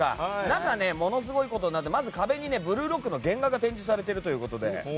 中はものすごいことになっていて「ブルーロック」の原画が展示されているということで。